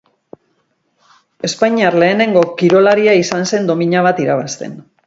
Espainiar lehenengo kirolaria izan zen domina bat irabazten.